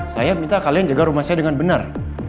saya minta kalian jaga rumah saya dengan benar